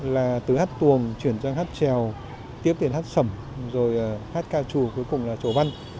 là từ hát tuồng chuyển sang hát trèo tiếp tiền hát sầm rồi hát ca trù cuối cùng là trổ văn